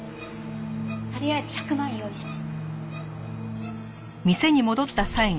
とりあえず１００万用意して。